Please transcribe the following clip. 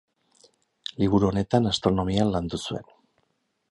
Liburu honetan astronomia landu zuen.